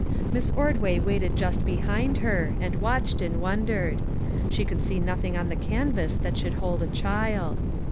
Miss Ordway waited just behind her, and watched and wondered. She could see nothing on the canvas that should hold a child.